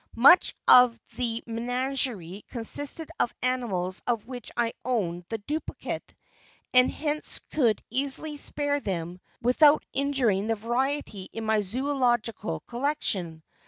Much of the menagerie consisted of animals of which I owned the duplicate, and hence could easily spare them without injuring the variety in my zoölogical collection.